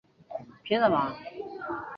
他是她的神圣医师和保护者。